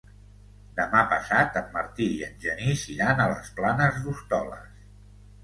Demà passat en Martí i en Genís iran a les Planes d'Hostoles.